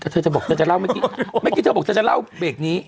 แต่เธอจะบอกเธอจะเล่าเมื่อกี้เมื่อกี้เธอบอกเธอจะเล่าเบรกนี้